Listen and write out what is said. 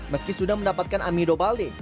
meski sudah mendapatkan amido balde